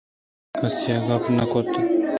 کس ءَ گپ نہ کُتگ اَت